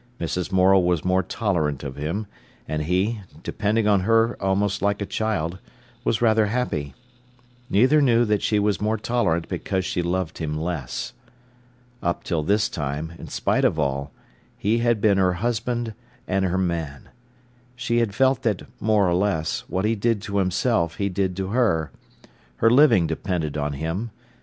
Mrs. Morel was more tolerant of him, and he, depending on her almost like a child, was rather happy. Neither knew that she was more tolerant because she loved him less. Up till this time, in spite of all, he had been her husband and her man. She had felt that, more or less, what he did to himself he did to her. Her living depended on him.